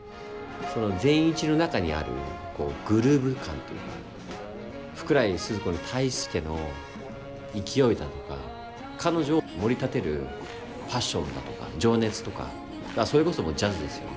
その善一の中にあるグルーヴ感というか福来スズ子に対しての勢いだとか彼女を盛り立てるパッションだとか情熱とかそれこそもうジャズですよね。